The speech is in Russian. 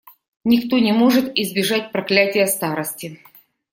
Никто не может избежать проклятия старости.